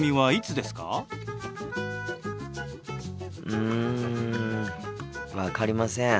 うん分かりません。